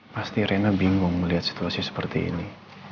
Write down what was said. pasti rena bingung melihat situasi seperti ini